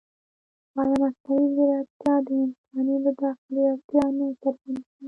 ایا مصنوعي ځیرکتیا د انساني مداخلې اړتیا نه څرګندوي؟